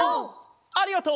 ありがとう！